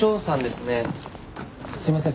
すいません